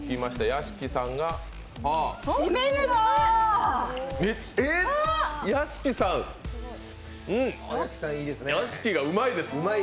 屋敷がうまいです。